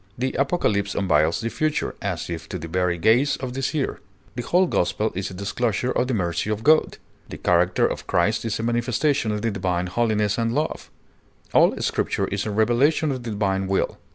The Apocalypse unveils the future, as if to the very gaze of the seer; the whole gospel is a disclosure of the mercy of God; the character of Christ is a manifestation of the divine holiness and love; all Scripture is a revelation of the divine will.